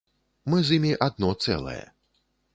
Мы з імі адно цэлае.